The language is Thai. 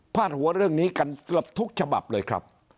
ดหัวเรื่องนี้กันเกือบทุกฉบับเลยครับ